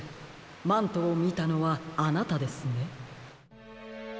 マントをみたのはあなたですね。